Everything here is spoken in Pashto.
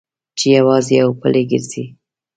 چې یوازې او پلي ګرځې.